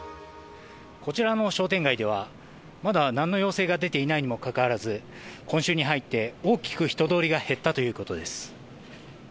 こちらの商店街では、まだなんの要請が出ていないにもかかわらず、今週に入って大きく人通りが減ったということです。